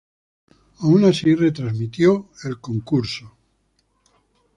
Aun así, retransmitió el concurso.